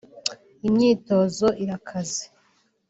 imyitozo irakaze